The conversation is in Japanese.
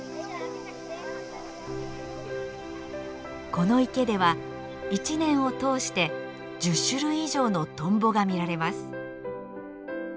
この池では１年を通して１０種類以上のトンボが見られます。